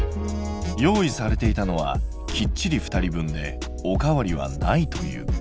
用意されていたのはきっちり２人分でおかわりはないという。